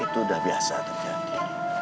itu sudah biasa terjadi